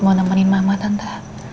mau nemenin mama tante